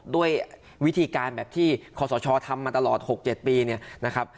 ด้วยวิธีการแบบที่ขอสชทำมาตลอด๖๗ปีเนี่ยนะครับ